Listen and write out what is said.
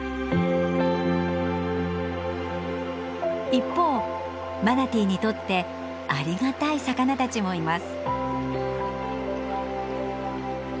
一方マナティーにとってありがたい魚たちもいます。